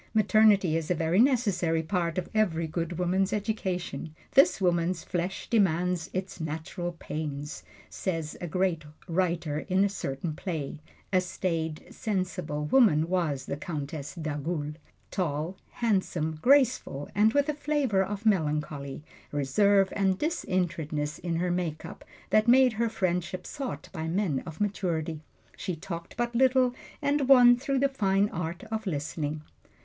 Maternity is a very necessary part of every good woman's education "this woman's flesh demands its natural pains," says a great writer in a certain play. A staid, sensible woman was the Countess d'Agoult tall, handsome, graceful, and with a flavor of melancholy, reserve and disinterestedness in her make up that made her friendship sought by men of maturity. She talked but little, and won through the fine art of listening.